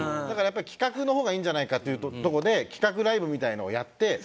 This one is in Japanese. だからやっぱり企画の方がいいんじゃないかっていうとこで企画ライブみたいなのをやって。